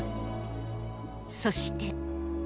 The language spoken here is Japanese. そして。